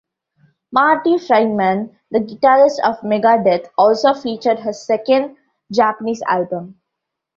Marty Friedman, the guitarist of Megadeath, also featured her second Japanese album.